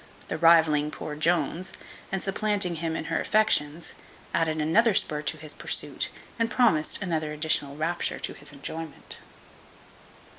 The rivalling poor Jones, and supplanting him in her affections, added another spur to his pursuit, and promised another additional rapture to his enjoyment.